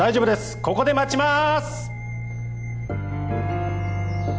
ここで待ちます！